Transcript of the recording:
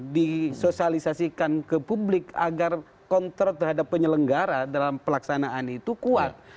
disosialisasikan ke publik agar kontrol terhadap penyelenggara dalam pelaksanaan itu kuat